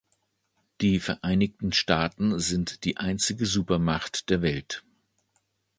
Die Vereinigten Staaten sind die einzige Supermacht der Welt.